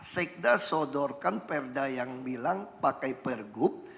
saya sudah sodorkan perda yang bilang pakai pergub